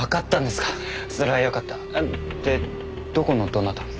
でどこのどなた？